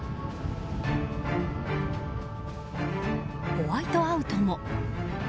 ホワイトアウトも。